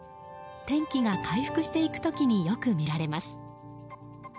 天気が回復していく時によく見られます。